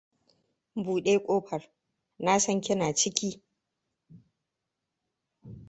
Bude kofar. Na san kina ciki.